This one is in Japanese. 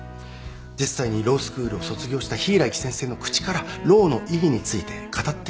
実際にロースクールを卒業した柊木先生の口からローの意義について語っていただきたいんです